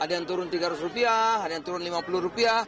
ada yang turun rp tiga ratus ada yang turun rp lima puluh